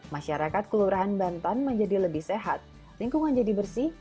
masyarakat kelurahan bantan menjadi lebih sehat lingkungan jadi bersih